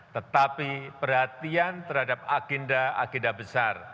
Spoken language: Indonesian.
tetapi perhatian terhadap agenda agenda besar